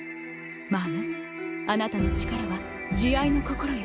マァムあなたの力は慈愛の心よ。